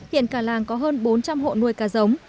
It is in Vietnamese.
hiện cả làng có hơn bốn trăm linh hộ nuôi cá giống